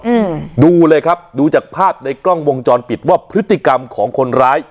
อืมดูเลยครับดูจากภาพในกล้องวงจรปิดว่าพฤติกรรมของคนร้าย